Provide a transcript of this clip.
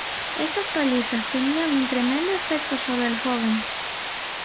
Estas palizas tenían un tremendo efecto sobre el joven.